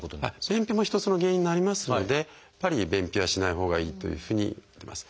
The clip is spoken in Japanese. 便秘も一つの原因になりますのでやっぱり便秘はしないほうがいいというふうにいわれてます。